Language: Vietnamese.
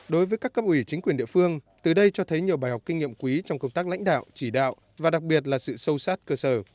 đối với các cấp ủy chính quyền địa phương từ đây cho thấy nhiều bài học kinh nghiệm quý trong công tác lãnh đạo chỉ đạo và đặc biệt là sự sâu sát cơ sở